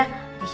sakit mau nih bu